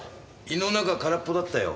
胃の中空っぽだったよ。